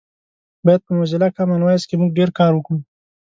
باید په موزیلا کامن وایس کې مونږ ډېر کار وکړو